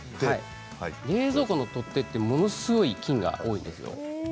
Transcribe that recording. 冷蔵庫の取っ手はものすごい菌が多いんですよ。